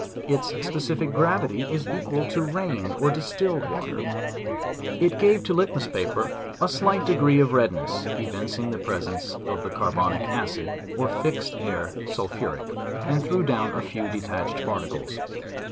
Its specific gravity is equal to rain or distilled water. It gave to litmus paper, a slight degree of redness evin cing the presence of the carbonic acid, or fixed air sulphuric and threw down a few detached particles.